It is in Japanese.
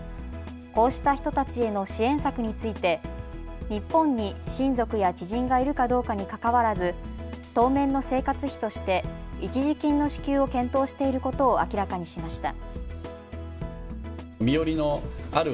こうした人たちへの支援策について日本に親族や知人がいるかどうかにかかわらず当面の生活費として一時金の支給を検討していることを明らかにしました。